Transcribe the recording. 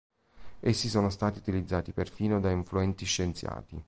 Essi sono stati utilizzati perfino da influenti scienziati.